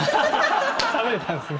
食べれたんですね。